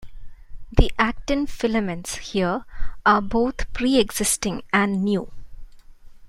The actin filaments here are both pre-existing and new.